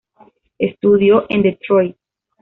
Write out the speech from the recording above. Estudió en Detroit.